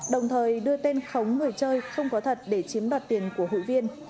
đồng thời đưa tên khống người chơi không có thật để chiếm đoạt tiền của hụi viên